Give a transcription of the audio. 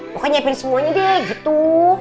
pokoknya nyiapin semuanya deh gitu